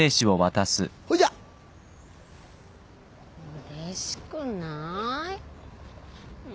うれしくなーい。